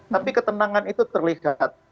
tapi ketenangan itu terlihat